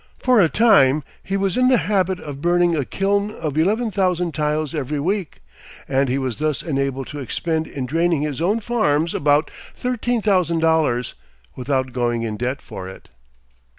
For a time, he was in the habit of burning a kiln of eleven thousand tiles every week, and he was thus enabled to expend in draining his own farms about thirteen thousand dollars, without going in debt for it.